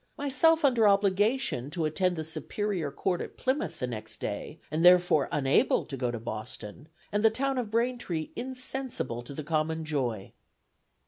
Myself under obligation to attend the superior court at Plymouth the next day, and therefore unable to go to Boston, and the town of Braintree insensible to the common joy!"